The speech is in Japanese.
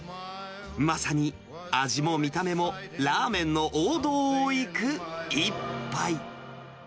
まさに味も見た目もラーメンの王道をいく一杯。